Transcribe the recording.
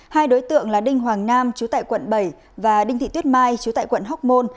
hai đối tượng là đinh hoàng nam chú tại quận bảy và đinh thị tuyết mai chú tại quận hóc môn